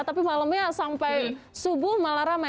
tapi malamnya sampai subuh malah ramai